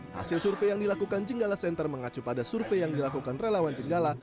hasil survei yang dilakukan jenggala center mengacu pada survei yang dilakukan relawan jenggala